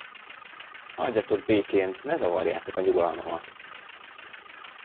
Hagyjatok békén, ne zavarjátok a nyugalmamat!